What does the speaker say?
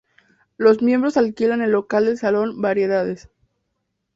Los miembros alquilan el local del salón "Variedades".